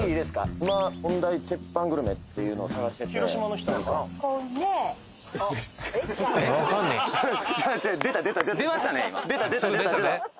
今４大鉄板グルメっていうのを探してて出ましたね